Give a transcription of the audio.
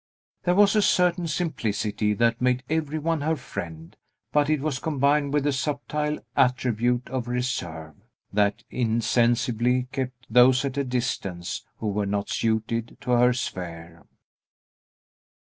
There was a certain simplicity that made every one her friend, but it was combined with a subtile attribute of reserve, that insensibly kept those at a distance who were not suited to her sphere.